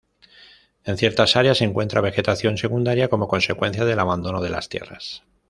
En ciertas áreas se encuentra vegetación secundaria como consecuencia del abandono de las tierras.